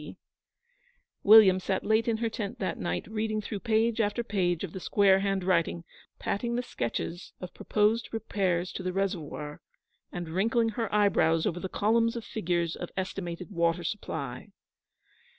C.' William sat late in her tent that night, reading through page after page of the square handwriting, patting the sketches of proposed repairs to the reservoir, and wrinkling her eyebrows over the columns of figures of estimated water supply.